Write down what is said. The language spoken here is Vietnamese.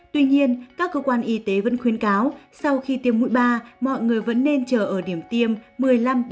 tuy nhiên các cơ quan y tế vẫn khuyên cáo sau khi tiêm mũi ba mọi người vẫn nên chờ ở điểm tiêm